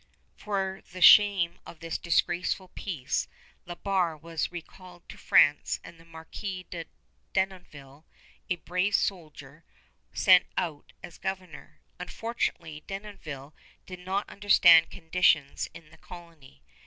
For the shame of this disgraceful peace La Barre was recalled to France and the Marquis de Denonville, a brave soldier, sent out as governor. Unfortunately Denonville did not understand conditions in the colony.